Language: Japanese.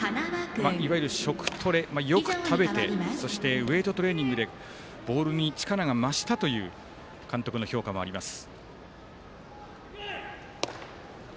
いわゆる食トレ、よく食べてそして、ウエイトトレーニングでボールに力が増したという監督の評価もあります。